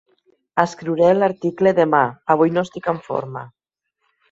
Escriuré l'article demà: avui no estic en forma.